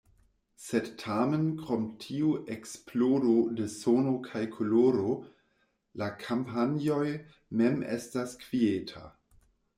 Sed tamen krom tiu eksplodo de sono kaj koloro, la kampanjoj mem estas kvieta.